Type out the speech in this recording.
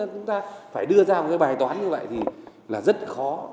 chúng ta phải đưa ra một cái bài toán như vậy thì là rất khó